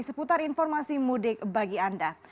seputar informasi mudik bagi anda